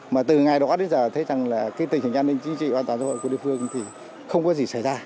mà từ ngày đó đến giờ thấy rằng là cái tình hình an ninh chính trị và an toàn xã hội của địa phương thì không có gì xảy ra